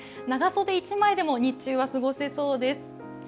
長袖１枚でも日中は過ごせそうです